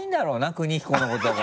邦彦のことが。